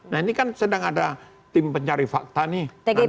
nah ini kan sedang ada tim pencari fakta nih